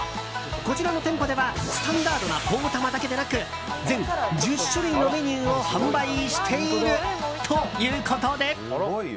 こちらの店舗ではスタンダードなポーたまだけでなく全１０種類のメニューを販売しているということで。